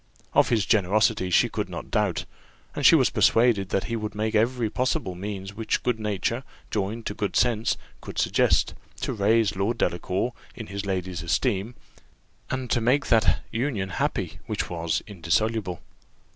Of his generosity she could not doubt, and she was persuaded that he would take every possible means which good nature, joined to good sense, could suggest, to raise Lord Delacour in his lady's esteem, and to make that union happy which was indissoluble.